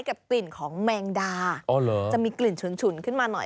กับกลิ่นของแมงดาอ๋อเหรอจะมีกลิ่นฉุนฉุนขึ้นมาหน่อย